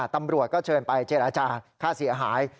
ตำรวจก็เชิญไปเจรจาค่าเสียหาย